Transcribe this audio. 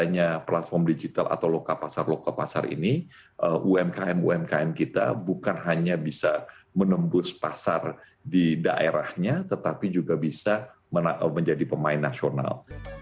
ada platform digital atau loka pasar loka pasar ini umkm umkm kita bukan hanya bisa menembus pasar di daerahnya tetapi juga bisa menjadi pemain nasional